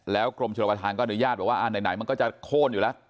กรมชนประธานก็อนุญาตบอกว่าไหนมันก็จะโค้นอยู่แล้ว